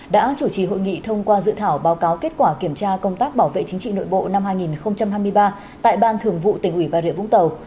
đã chủ trì hội nghị thông qua dự thảo báo cáo kết quả kiểm tra công tác bảo vệ chính trị nội bộ năm hai nghìn hai mươi ba tại ban thường vụ tỉnh ủy bà rịa vũng tàu